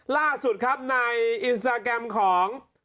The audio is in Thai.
ล่าสุดครับในอินสตาแกรมของ